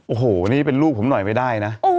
โอ้โหนี่เป็นลูกผมหน่อยไม่ได้นะ